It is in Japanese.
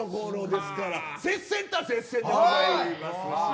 接戦、接戦でございます。